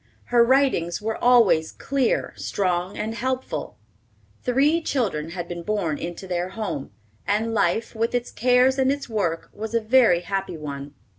Her writings were always clear, strong, and helpful. Three children had been born into their home, and life, with its cares and its work, was a very happy one.